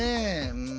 うん。